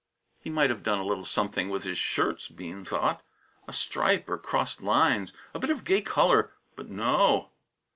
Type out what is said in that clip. He might have done a little something with his shirts, Bean thought; a stripe or crossed lines, a bit of gay colour; but no!